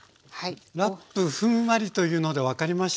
ラップふんわりというので分かりました。